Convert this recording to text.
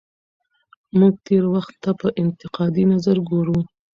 موږ تېر وخت ته په انتقادي نظر ګورو.